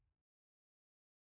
suara hujan terlalu menapis